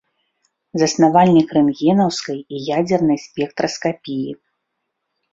Заснавальнік рэнтгенаўскай і ядзернай спектраскапіі.